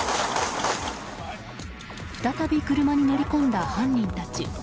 再び、車に乗り込んだ犯人たち。